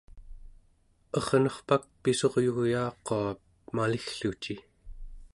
ernerpak pissuryugyaaqua maliggluci